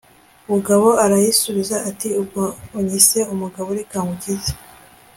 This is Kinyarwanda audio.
bugabo arayisubiza ati ubwo unyise umugabo, reka ngukize